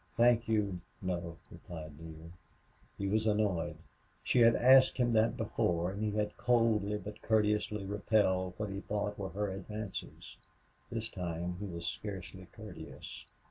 "Thank you no," replied Neale. He was annoyed. She had asked him that before, and he had coldly but courteously repelled what he thought were her advances. This time he was scarcely courteous.